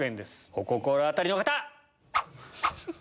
お心当たりの方！